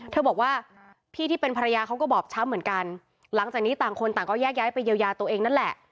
เธอบอกว่าพี่ที่เป็นภรรยาเขาก็บอบช้ำเหมือนกันหลังจากนี้ต่างคนต่างก็แยกย้ายไปเยียวยาตัวเองนั่นแหละ